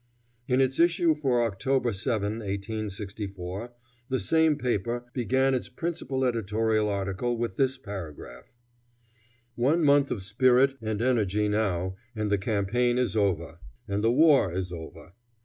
In its issue for October 7, 1864, the same paper began its principal editorial article with this paragraph: "One month of spirit and energy now, and the campaign is over, and the war is over.